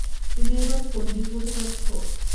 তুমি এবার পন্ডিত হতে চাচ্ছো।